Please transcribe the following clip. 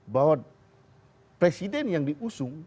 bahwa presiden yang diusung